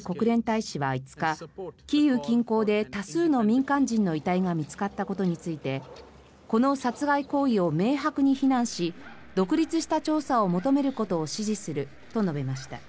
国連大使は５日キーウ近郊で多数の民間人の遺体が見つかったことについてこの殺害行為を明白に非難し独立した調査を求めることを支持すると述べました。